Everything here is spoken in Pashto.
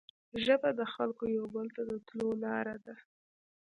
ژبه د خلګو یو بل ته د تلو لاره ده